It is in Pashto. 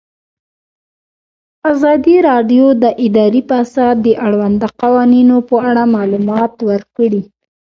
ازادي راډیو د اداري فساد د اړونده قوانینو په اړه معلومات ورکړي.